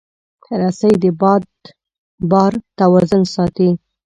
رسۍ د بار توازن ساتي.